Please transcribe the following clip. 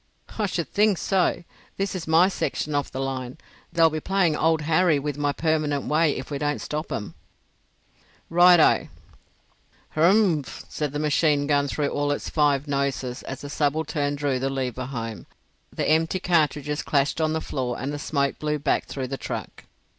"I should think so! This is my section of the line. They'll be playing old Harry with my permanent way if we don't stop 'em." "Right O!" "Hrrmph!" said the machine gun through all its five noses as the subaltern drew the lever home. The empty cartridges clashed on the floor and the smoke blew back through the truck.